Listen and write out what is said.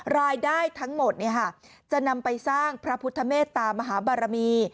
รายได้ทั้งหมดจะนำไปสร้างพระพุทธเมตตามหาบารมี